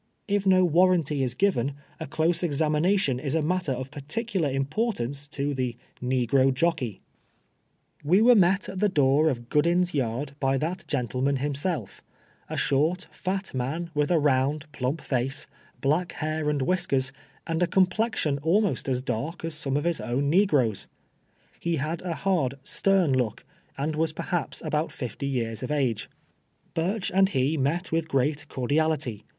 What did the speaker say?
If no warranty is given, a close examination is a matter of particular impor tance to the negro jockey. GOODIX AXD HIS SLA.YE PEX. 59 "We were met at the door of Goodin's yard Ijy tliat geutleiiian himself — a short, fat man, Avith a round, phmip face, Idack hair ami whiskers, and a complex ion almost as dark as some of Ins oA^ni negroes. lie had a hard, stern look, and was perhaps ahont fifty years of age. Burcli and he met Avithgrcnit cordiali ty.